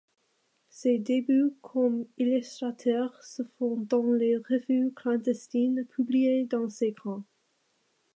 Ses débuts comme illustrateur se font dans les revues clandestines publiées dans ces camps.